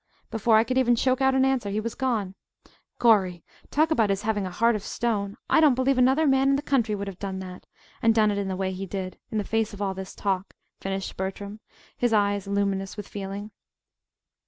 Before I could even choke out an answer he was gone. Gorry! talk about his having a 'heart of stone'! I don't believe another man in the country would have done that and done it in the way he did in the face of all this talk," finished Bertram, his eyes luminous with feeling.